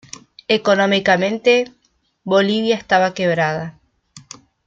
Económicamente, Bolivia estaba quebrada.